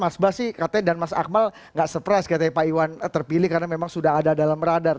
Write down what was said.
mas bas sih katanya dan mas akmal nggak surprise katanya pak iwan terpilih karena memang sudah ada dalam radar